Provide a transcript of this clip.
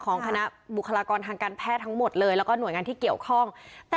ของคณะบุคลากรทางการแพทย์และหน่วยงานที่เกี่ยวข้อง